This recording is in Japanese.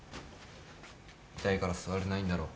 痛いから座れないんだろ。